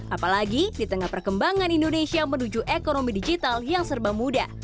apalagi di tengah perkembangan indonesia menuju ekonomi digital yang serba mudah